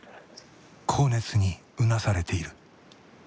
高熱にうなされている。